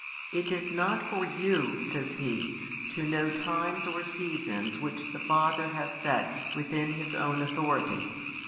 It is not for you, says He, to know times or seasons which the Father hath set within His own authority.